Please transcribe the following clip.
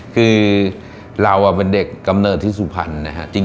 คือเราเป็นเด็กกำเนิดที่สูภัณฑ์เนี่ยครับ